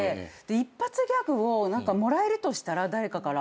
一発ギャグをもらえるとしたら誰かから。